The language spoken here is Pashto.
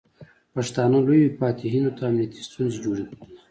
پښتانه لویو فاتحینو ته امنیتي ستونزې جوړې کړې.